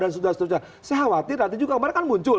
saya khawatir nanti juga kembali muncul